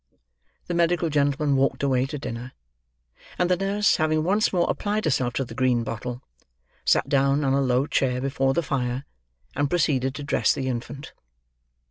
The medical gentleman walked away to dinner; and the nurse, having once more applied herself to the green bottle, sat down on a low chair before the fire, and proceeded to dress the infant.